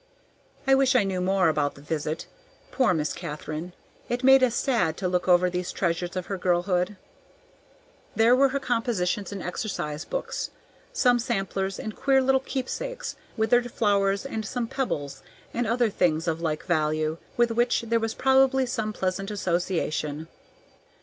I wish I knew more about the visit. Poor Miss Katharine! it made us sad to look over these treasures of her girlhood. There were her compositions and exercise books; some samplers and queer little keepsakes; withered flowers and some pebbles and other things of like value, with which there was probably some pleasant association.